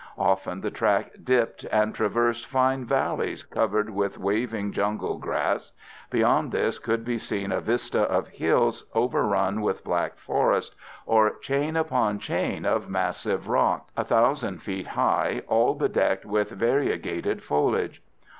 Often the track dipped and traversed fine valleys, covered with waving jungle grass; beyond this could be seen a vista of hills overrun with black forest, or chain upon chain of massive rocks, 1,000 feet high, all bedecked with variegated foliage.